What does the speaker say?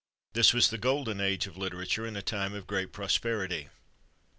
This was the golden age of hterature and a time of great prosperity.